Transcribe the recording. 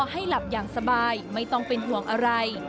ให้หลับอย่างสบายไม่ต้องเป็นห่วงอะไร